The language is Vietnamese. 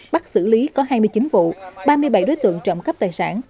bắt xử lý có hai mươi chín vụ ba mươi bảy đối tượng trộm cắp tài sản